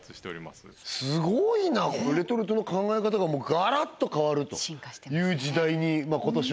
すごいなレトルトの考え方がもうガラッと変わるという時代に進化してますね